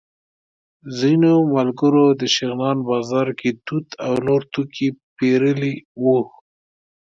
ځینو ملګرو د شغنان بازار کې توت او نور توکي پېرلي وو.